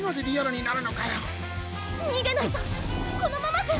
にげないとこのままじゃ！